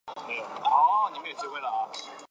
内沃吉尔迪是葡萄牙波尔图区的一个堂区。